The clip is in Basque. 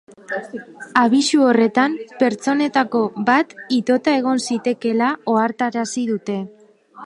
Abisu horretan pertsonetako bat itota egon zitekeela ohartarazi dute.